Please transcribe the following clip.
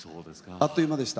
あっという間でした。